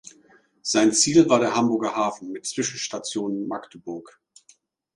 Sein Ziel war der Hamburger Hafen mit Zwischenstation Magdeburg.